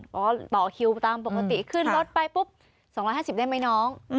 บอกว่าต่อคิวตามปกติขึ้นรถไปปุ๊บ๒๕๐ได้ไหมน้อง